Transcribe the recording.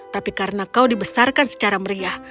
tapi karena kau dibesarkan secara meriah